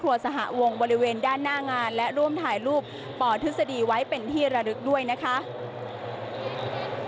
สหวงบริเวณด้านหน้างานและร่วมถ่ายรูปปทฤษฎีไว้เป็นที่ระลึกด้วยนะคะ